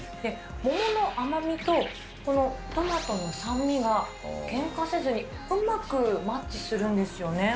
桃の甘みとこのトマトの酸味がけんかせずに、うまくマッチするんですよね。